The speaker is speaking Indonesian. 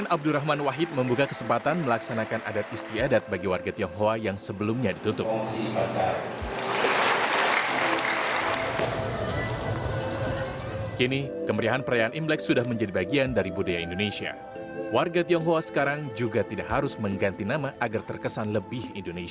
assalamualaikum warahmatullahi wabarakatuh